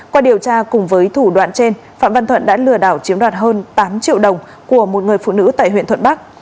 qua điều tra cùng với thủ đoạn trên phạm văn thuận đã lừa đảo chiếm đoạt hơn tám triệu đồng của một người phụ nữ tại huyện thuận bắc